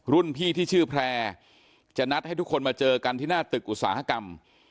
รุ่นพี่ที่ชื่อแพร่จะนัดให้ทุกคนมาเจอกันที่หน้าตึกอุตสาหกรรม